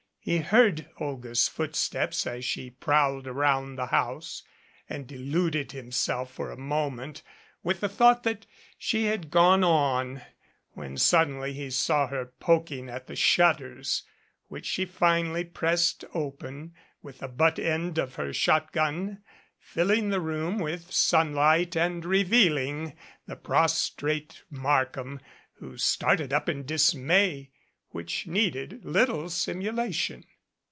He heard Olga's footsteps as she prowled around the house and deluded himself for a moment with the thought that she had gone on, when suddenly he saw her poking at the shutters, which she finally pressed open with the butt end of her shotgun, filling the room with sunlight and revealing the prostrate Markham, who started up in a dis may which needed little simulation.